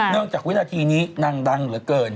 จากวินาทีนี้นางดังเหลือเกิน